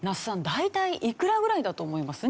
大体いくらぐらいだと思います？